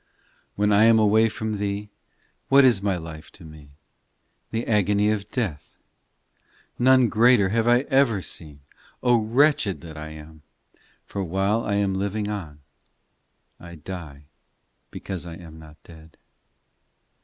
in When I am away from Thee, What is my life to me ? The agony of death. None greater have I ever seen. O, wretched that I am ! For while I am living on I die because I am not dead.